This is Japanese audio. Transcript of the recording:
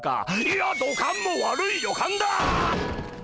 いや土管も悪い予感だ！